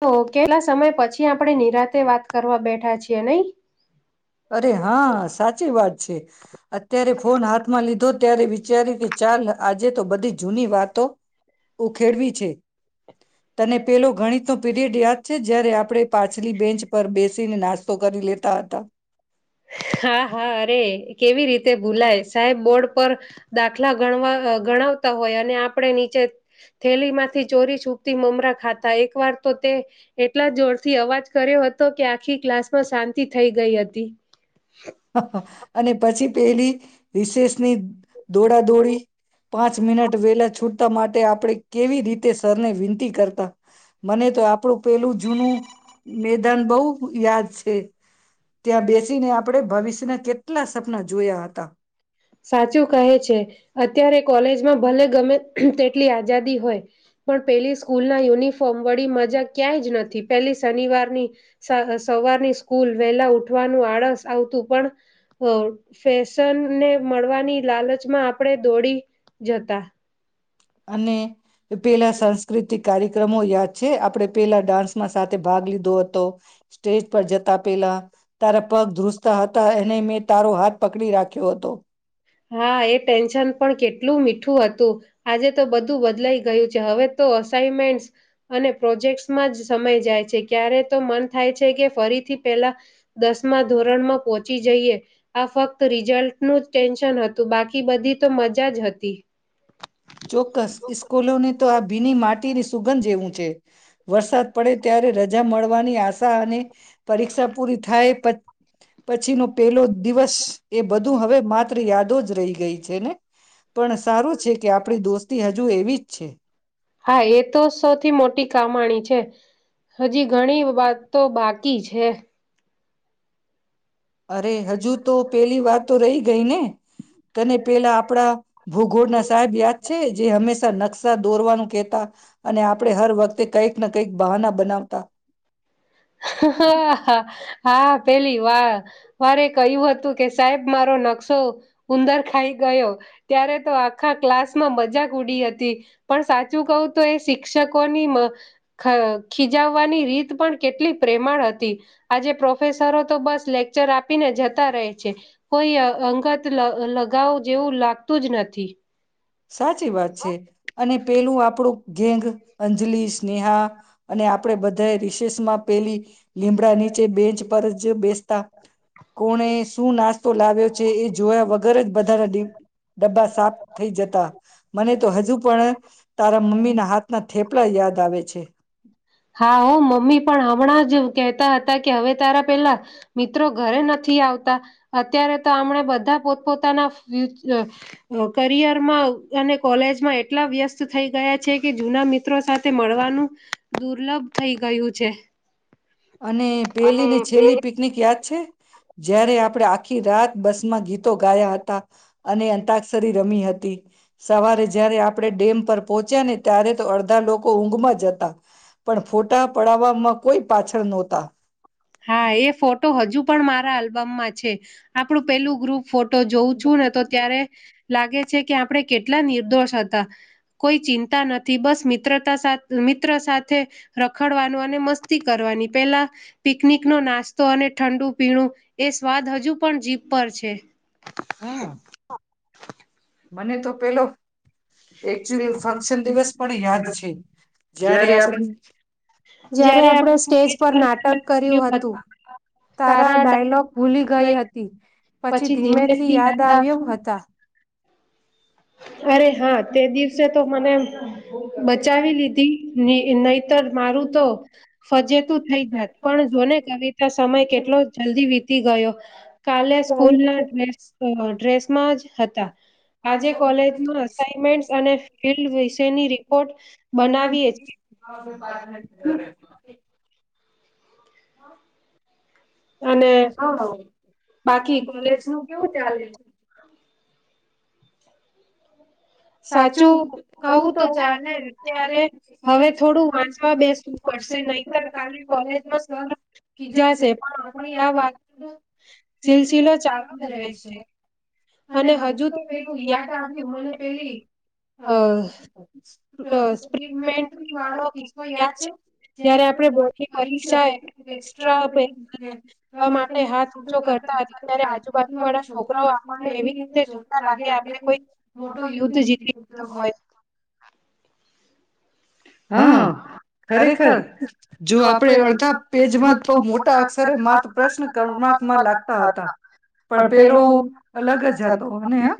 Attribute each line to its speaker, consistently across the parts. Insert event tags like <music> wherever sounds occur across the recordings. Speaker 1: તો કેટલા સમય પછી આપણે નિરાતે વાત કરવા બેઠા છીએ નહીં
Speaker 2: અરે હા સાચી વાત છે. છે. અત્યારે ફોન હાથમાં લીધો અત્યારે વિચાર્યું કે ચાલ આજે તો બધી જૂની વાતો ઉખેડવી છે તને પેલો ગણિતનો પીરિયડ યાદ છે જ્યારે આપણે પાછલી બેન્ચ પર બેસીને નાસ્તો કરી લે તા હતા.
Speaker 1: હા હા અરે કેવી રીતે ભૂલાય સાહેબ બોર્ડ પર દાખલા ગણવા ગણાવતા હોય અને આપણે નીચે થેલી માંથી ચોરી છૂપતી મમરા ખાતા એક વાર તો તે એટલા જોરથી અવાજ કર્યો હતો કે આખી ક્લાસમાં શાંતિ થઈ ગઈ હતી.
Speaker 2: અને પછી પેલી રિશેષની દોડા દોડી પાંચ મિનટ વેલા છૂટ ત માટે આપણે કેવી રીતે સરને વિનંતી કરતા. મને તો આપણું પેલું જ જૂનું મેદાન બહુ યાદ છ એ ત્યાં બેસીને આપ ભવિષ્યના કેટલા સપના જોયા હતા.
Speaker 1: સાચું કહે છે, અત્યારે કોલેજમાં ભલે ગમે તેટલી આઝાદી હોય પણ પેલી સ્કૂલના યુનિફોર્મ વડી મજા ક્યાંય જ નથી પેલી શનિવારની સવારની સ્કૂલ, વહેલા ઉઠવાનું આળસ આવતું પણ ફેશનને મળવાની લાલચમાં આપણે દોડી જતા.
Speaker 2: અને પેલા સાંસ્કૃતિક કાર્યક્રમો યાદ છે? આપણે પેલા ડાન્સમાં સાથે ભાગ લીધો હતો સ્ટેજ પર જતા પેલા તારા પગ ધ્રુજતા હ તા એને મેં તારો હાથ પકડી રાખ્યો હતો.
Speaker 1: હા એ ટેન્શન પણ કેટલું મીઠું હતું આજે તો બધું બદલાઈ ગયું છે હવે તો અસાઇમેન્ટસ અને પ્રોજેક્ટ્સમાં જ સમય જાય છે ક્યારે તો મન થાય છે કે ફરીથી પેલા દસમા ધોરણમાં પહોંચી જઈએ આ ફક્ત રિઝલ્ટનું જ ટેન્શ હતું બાકી બધી તો મજા જ હતી.
Speaker 2: ચોક્કસ ઇસ્કૂલોને તો આ ભીની માટ ટીની સુગંધ જેવું છે. વરસાદ પડે ત્યારે રજા મળવાની આ શા અને પરીક્ષા પૂરી થાય પ પછીનો પેલો દિવસ એ બધું હવે માત્ર યાદ દો જ રહી ગઈ છે ને? પણ સારું છે આપણી દોસ્તી હજુ એવી જ છે.
Speaker 1: હા એ તો સૌથી મોટી કમાણી છે હજી ઘણી વાતો તો બાક કી છે.
Speaker 2: અરે હજુ તો પેલી વાતો રહી ગઈ ને? તને પેલા આપડા ભૂગોળના સાહેબ યાદ છે જે હંમેશ નકશા દોરવાનું કેહતા અને આપડે હર વખતે કઈક ના કંઈક બહાના બનાવતા.
Speaker 1: હા પેલી વા વારે કહ્યું હતું કે સાહેબ મારો નકશો ઉંદર ખાઈ ગયો ત્યારે તો આખા ક્લાસમાં મજાક ઉડી હતી પણ સાચું કહું તો એ શિક્ષકોની મ ખ ખીજાવવાની રીત પણ કેટલી પ્રેમાળ હતી આજે પ્રોફેસરો તો બસ લેક્ચર આપીને જતા રહે છે કોઈ અંગત લ લગાવ જેવું લાગતું જ નથી.
Speaker 2: સાચી વાત છે અને પેલું આપણું ગેંગ અંજલિ, સ્નેહા અને આપણેે બધાએ રિસેસમાં પેલી લીમડા નીચે બેંચ પર જ બેસતા. કોને શું નાસ્તો લાવ આવ્યો છે એ જોયા વગ ગરજ બધાના ડબ્બા સાફ થઈ જ તા મને તો હજુ પણ તારા મમ્મીના હાથના થેપલા યાદ આવે છે.
Speaker 1: હા હો મમ્મી પણ હમણાં જ કહેતા હતા કે હવે તારા પેલા મિત્રો ઘરે નથી આવતા અત્યારે તો હમણા બધા પોતપોતાના કરિયરમાં અને કોલેજ એટલા વ્યસ્ત થઈ ગયા છે કે જુના મિત્રો સાથે મળવાનું દુર્લભ થઈ ગયું છે.
Speaker 2: અને પેલી ને છેલ્લી પિકનિક યાદ છે. જયારે આપણેે આખી રાત બસમાં ગીતો ગાયા હતા. અને અંતાક્ષરી રમી હતી. તે. સવારે જયારે આપણે ડેમ પર પહોંચ્યા ને ત્યારે તો અડધા લોકો ઊંઘમાં જ હતા. પણ ફોટા પડવામાં કોઈ પાછા ખર નોતા.
Speaker 1: હા એ ફોટો હજુ પણ મારા આલ્બમમાં છે. આપણું પેલું ગ્રુપ ફોટો જોઉં છું ને તો ત્યારે લાગે છે કે આપણે કેટલા નિર્દોષ હતા કોઈ ચિંતા નથી બસ મિત્રતા સાથે મિત્ર સાથે રખડવાનું અને મસ્તી કરવાની પેલા પિકનિકનો નાસ્તો અને ઠંડુ પીણું એ સ્વાદ હજુ પણ જીપ પર છે.
Speaker 2: હા. મને તો પેલો એકચુલી ફંક્શન દિવસ પણ યાદ છે. જયારે આપણે જ્યારે આપણે સ્ટેજ પર નાટક કર્યું હતું. તારા ડાયલોગ ભૂલી ગઈ હતી પછી ધીમેથી યાદ આવ્યો હતા.
Speaker 1: અરે હા તે દિવસે તો મને બચાવી લીધી ને એ નઇ. તર મારું તો ફજેતું થઈ જાત પણ જોને કવિતા સમય કેટલો જલ્દી વીતી ગયો. કાલે સ્કૂલ ના ડ્રેસ ડ્રેસમાં જ હતા આજે કોલેજમાં અસાઇનમેન્ટ્ અને ફિલ્ડ વિશેની રિપોર્ટ બનાવીએ છીએ.
Speaker 2: <inaudible> અને હ બાકી કોલેજ નું કેવું ચાલે? સાચું કવું તો ચાલે ત્યારે હવે જ વાંચવા બેસવું પડશે નહીતર કાલે કોલેજના સર
Speaker 1: જશે
Speaker 2: ખીજાશે
Speaker 1: પણ
Speaker 2: આપાણી
Speaker 1: આ
Speaker 2: વાત નો સિલસિલો ચાલુ
Speaker 1: જ રહે
Speaker 2: રેહશે.
Speaker 1: છે
Speaker 2: અને હજુ તો પેલું યાદ આવ્યું હને <inaudible> અહ <inaudible>
Speaker 1: આવ્યું
Speaker 2: વાળો કિસ્સો યાદ છે જ્યારે
Speaker 1: જયારે આપણે બોર્ડની પરીક્ષા
Speaker 2: આપડે <inaudible> એક્સ્ટ્રા પેજ <inaudible>
Speaker 1: આ માટે હાથ ઊંચો કરતા હતા ત્યારે
Speaker 2: પેહલા
Speaker 1: આજુબાજુ વાળા
Speaker 2: છોકરાઓ
Speaker 1: આપણને
Speaker 2: એવી રીતે જોતા લાગે આપડે
Speaker 1: આપણે
Speaker 2: પણ
Speaker 1: કોઈ
Speaker 2: મોટો
Speaker 1: મોટું
Speaker 2: યુદ્ધ જીતી કુતરો
Speaker 1: લીધું
Speaker 2: હોય. હા ખરેખર જો આપડે અડધા પેજમાં તો મોટા અક્ષરે માત્ર પ્રશ્ન કર્માકમાં લાગતા હતા. પણ પેલો અલગ જ હતો અને આહ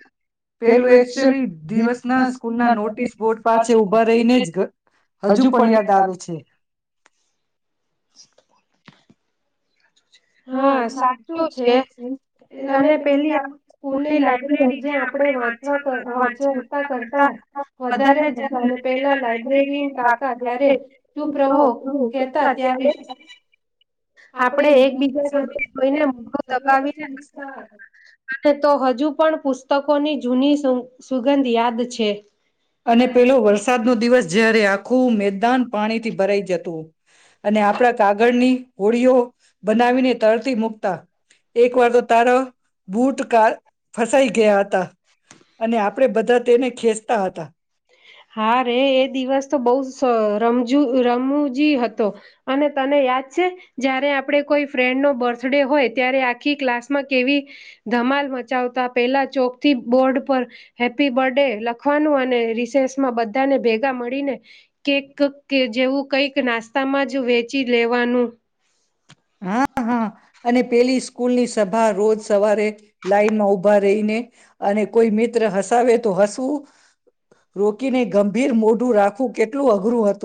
Speaker 2: પેલું એકચુલી દિવસ ના સ્કૂલ ના નોટિસ બોર્ડ પાસે ઉભા રહીને જ ઘ હજુ પણ યાદ આવે છે.
Speaker 1: <inaudible>
Speaker 2: હા સાચું છે અને પેલી <inaudible> સ્કૂલની લાયબ્રેરી જે આપણે વાચવા વાચવાતા કરતા વધારે
Speaker 1: જતા અને
Speaker 2: <inaudible> પેલા લાઈબ્રેરી
Speaker 1: લાયબ્રેરી
Speaker 2: કાકા જ્યારે ચુપ રહો એવું કેતા ત્યારે
Speaker 1: ત્યારે
Speaker 2: આપણે <inaudible>
Speaker 1: જોઈને મો દબાવીને <inaudible> અને તો હજુ પણ પુસ્તકોની જૂની સુગ-સુગંધ યાદ છે.
Speaker 2: અને પેલો વરસાદનો દિવસ જ્યારે આખું મેદાન પાણીથી ભરાઈ જતું. અને આપણા કાગળની હોળીઓ બનાવીને તરતી મુક તા. એક વાર તો તારા બૂટ કાળ ફસાઈ ગયા તા અને આપણે બધા તેને ખેંચતા હતા.
Speaker 1: હા રે એ દિવસ તો બૌ સ રમજુ રમૂજી હતો અને તને યાદ છે જયારે આપણે કોઈ ફ્રેન્ડ નો બર્થડે હોય ત્યારે આખી ક્લાસ માં કેવી ધમાલ મચાવતા પેલા ચોક થી બોર્ડ પર હેપી બર્થડે લખવાનું અને રિસેસ માં બધાને ભેગા મળીને કેક જેવું કઈક નાસ્ સ્તામાં જ વેચી લેવાનું.
Speaker 2: હા હા અને પેલી સ્કૂલની સભા રોજ સવારે લાઈન માં ઊભા રહીને અને કોઈ મિત્ર હસાવે તો હસવું રોકીને ગંભીર મોઢું રાખવું કેટલું અઘરું હ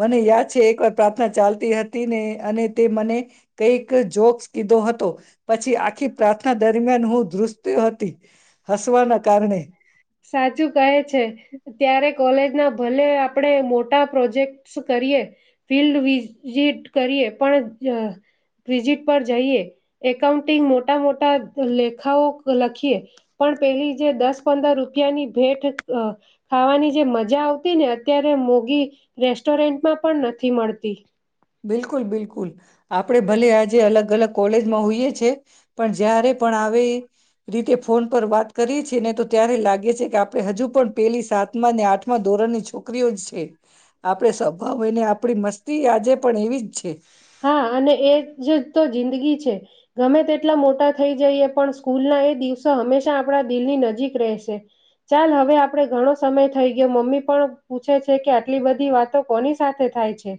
Speaker 2: મને યાદ છે એકવાર પ્રાપ્ત તા ચાલતી હતી ને અને તે મને કઈક જોક્સ કીધો હતો. પછી આખી પ્રાર્થના દરમિયાન હું ધ્રુસતી હતી હસવાના કારણે.
Speaker 1: સાચું ના ભલે આપણે મોટા પ્રોજેક્ટજ કરીએ ફિલ્ડ વિઝિટ કરીએ. પણ જ વિઝિટ પર જઈએ એકાઉન્ટિંગ મોટા મોટા લેખાઓ લખીએ પણ પેલી જે દસ પંદર રૂપિયાની ભેટ અહ ખાવાની જે મજા આવતી ને અત્યારે મોગી રેસ્ટોરેન્ટમાં પણ નથી મળતી.
Speaker 2: બિલકુલ બિલકુલ આપડે ભલે આજે અલગ અલગ કોલેજમાં હોઈએ છે પણ જ્યારે પણ આવે રીતે ફોન પર વાત કરીએ છીએ ને તો ત્યારે લાગે છે કે આપણે હજુ પણ પેલી સાતમા ને આઠમા ધોરણની છોકરીઓ જ છે. આપડે સ્વભાવ હોયને આપડી મસ્તી આજે પીજ છે.
Speaker 1: હા અને એ જ તો જિંદગી છે ગમે તેટલા મોટા થઈ જઈએ પણ સ્કૂલના એ દિવસો હંમેશા આપણા દિલની નજીક રહેશે ચાલ, હવે આપણે ઘણો સમય થઈ ગયો મમ્મી પણ પૂછે છે કે આટલી બધી વાતો કોની સાથે થાય છે?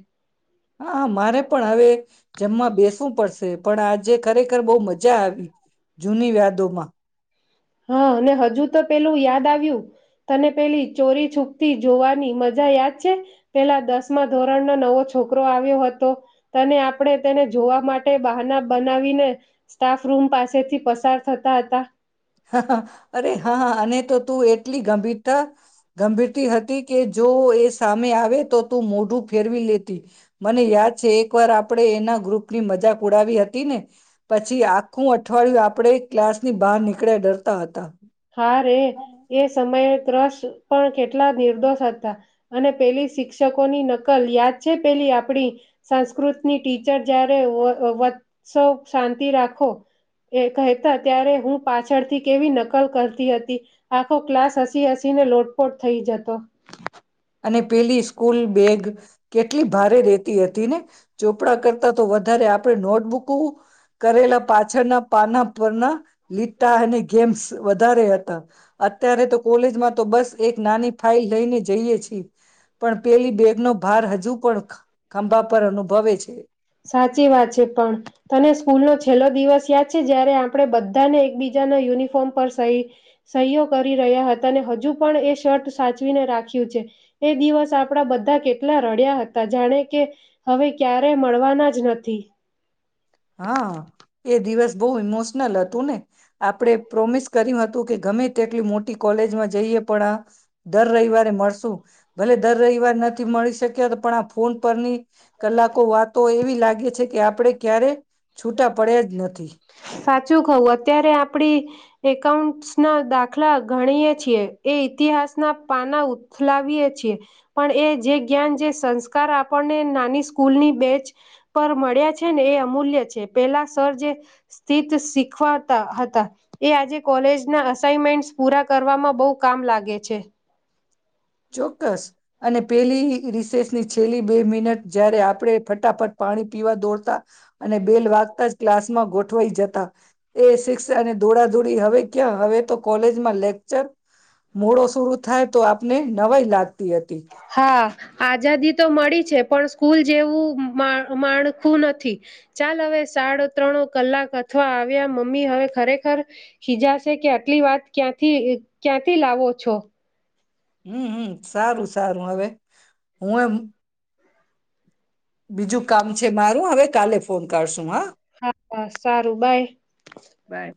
Speaker 2: હા, મારે પણ હવે જમવા બેસવું પડશે. પણ આજે ખરેખર બહુ મજા આવી જૂની યાદોમાં.
Speaker 1: હા અને હજુ તો પેલું યાદ આવ્યું તને પેલી ચોરી છૂપતી જોવાની મજા યાદ છે? પેલા દસમા ધોરણનો નવો છોકરો આવ્યો હતો તને આપણે તેને જોવા માટે બહાના બનાવીને સ્ટાફરૂમ પાસેથી પસાર થતા હતા.
Speaker 2: અરે હા અને તો તું એટલી ગંભીરતા ગંભીરતી હતી કે જો એ સામે આવે તો તું મોઢું ફેરવી લે તી મને યાદ છે એક વાર આપણે એના ગ્રુપ ની મજા ઉડાવી હતી ને? પછી આખું અઠવાડિયું આપડે ક્લાસની બહાર ની
Speaker 1: હા રે એ સમયે ત્રસ પણ કેટલા નિર્દોષ હતા અને પેલી શિક્ષકોની નકલ યાદ છે પેલી આપણી સંસ્કૃતની ટીચર જ્યારે વત વત્સવ શાંતિ રાખો એ કહેતા ત્યારે હું પાછળથી કેવી નકલ કરતી હતી આખો ક્લાસ હસી હસીને લોટપોટ થઈ જતો.
Speaker 2: અને પેલી સ્કૂલ બેગ કેટલી ભારે રેહતી હતી ને ચોપડા કરતા તો વધારે આપ આપે નોટબુકુ કરેલા પાછળના પાના પરના લીટા અને ગેમ્સ વધારે હ અત્યારે તો કોલેજમાં તો બસ એક નાની ફાઈલ લઈને જઈએ છીએ. તી. પણ પેલી બેગનો ભાર હજુ પણ ખંભા પર અનુભવે છે.
Speaker 1: સાચી વાત છે પણ તને સ્કૂલનો છેલ્લો દિવસ યાદ છે જયારે આપણે બધાને એકબીજાના યુનિફોર્મ પર સહી સહયો કરી રહ્યા હતા ને હજુ પણ એ શર્ટ સાચવીને રાખ્યું છે એ દિવસ આપણા બધા કેટલા રડ્યા હતા જાણે કે હવે ક્યારે મળવાનું ના જ નથી.
Speaker 2: હા એ દિવસ બહુ ઈમોશનલ હતું ને આપણેે પ્રોમિસ કર્યું હતું કે ગમે તેટલી મોટી કોલેજમાં જઈએ પણ આ દર રઈવારે મળશું ભલે દર રઈવાર ન નથી મળી શક્યા પણ આ ફોન પરની કલાકો વાતો એવી લાગે છે કે આપણે ક્યારે છૂટા પડયા જ નથી.
Speaker 1: સાચું કવુ અત્યારે આપડી એકાઉન્ટસના દાખલા ગણીએ છીએ એ ઈતિહાસના પાના ઉથલાવીએ છીએ પણ એ જે જ્ઞાન, જે સંસ્કાર આપણને નાની સ્કૂલની બેચ પર મળ્યા છે ને એ અમૂલ્ય છે પેલા સર જે સ્થિત શીખવાડતા હતા એ આજે કોલેજના અસાઇમેન્ટસ પૂરા કરવામાં બઉ કામ લાગે છે.
Speaker 2: ચોક્કસ. અને પેલી રિસેસ ની છેલ્લી બે મિનટ જયારે આપણે ફટાફટ પાણી પીવા દોડતા અને બેલ વાગતા જ ક્લાસમાં ગોઠવાઈ જતા એ શિક્ષ અને દોડા દોડી હવે ક્યાં હવે તો કોલેજમાં લેકચર મોડો શુરુ થાય તો આપ ને નવાઈ લાગતી હતી.
Speaker 1: હા આઝાદી તો મળી છે. પણ સ્કૂલ જેવું માણખું નથી ચાલ હવે સાડા ત્રણ કલાક અથવા આવ્યા મમ્મી હવે ખરેખર ખીજાશે કે આટલી વાત ક્યાંથી ક્યાંથી લાવો છો.
Speaker 2: હમ હમ, સારું સારું, હવે હું એમ બીજું કામ છે મારું હવે કાલે ફોન કરશું હા.
Speaker 1: હા, હા સારું બાય.
Speaker 2: બાય